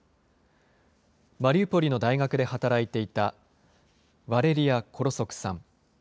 マリウポリの大学で働いていたワレリア・コロソクさん。